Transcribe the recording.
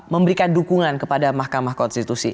memberikan dukungan kepada mahkamah konstitusi